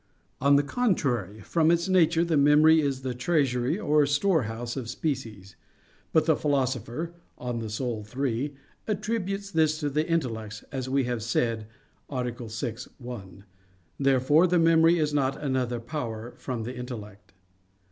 On the contrary, From its nature the memory is the treasury or storehouse of species. But the Philosopher (De Anima iii) attributes this to the intellect, as we have said (A. 6, ad 1). Therefore the memory is not another power from the intellect.